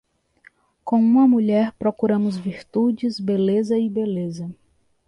Com uma mulher procuramos virtudes, beleza e beleza.